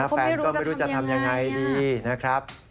คุณคุณคนไม่รู้จะทำยังไงนะครับ